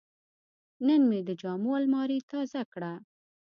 نن مې د جامو الماري تازه کړه.